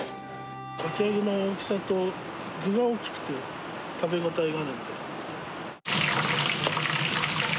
かき揚げの大きさと、具が大きくて、食べ応えがあるんで。